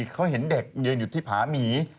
เขาเห็นเด็กยืนอยู่ที่ผาหมี